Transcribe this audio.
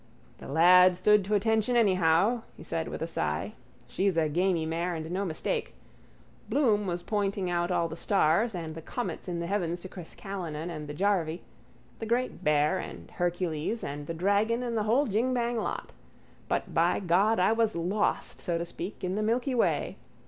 —The lad stood to attention anyhow, he said with a sigh. She's a gamey mare and no mistake. Bloom was pointing out all the stars and the comets in the heavens to Chris Callinan and the jarvey: the great bear and Hercules and the dragon, and the whole jingbang lot. But, by God, I was lost, so to speak, in the milky way.